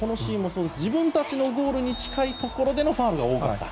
自分たちのゴールに近いところでのファウルが多かった。